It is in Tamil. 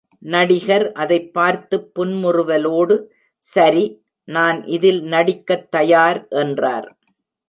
நடிகர் அதைப் பார்த்துப் புன்முறுவலோடு, சரி, நான் இதில் நடிக்கத் தயார்! என்றார்.